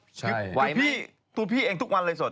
มันต้องว่าตัวพี่อันเลย